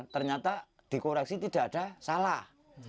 ternyata dikoreksi tidak ada salah